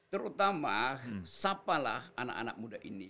terutama sapalah anak anak muda ini